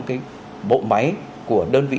cái bộ máy của đơn vị